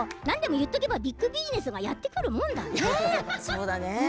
何でも言ってみればビッグビジネスがやってくるもんだね。